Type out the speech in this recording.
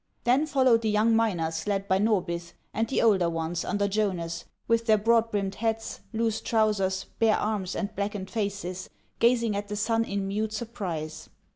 Then followed the young miners led by Xorbith, and the older ones under Jonas, with their broad brimmed hats, loose trousers, bare arms, and blackened faces, gazing at the sun in mute sur prise.